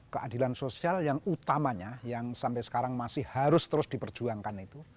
keadilan sosial yang utamanya yang sampai sekarang masih harus terus diperjuangkan itu